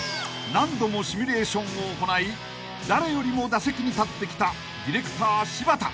［何度もシミュレーションを行い誰よりも打席に立ってきたディレクター柴田］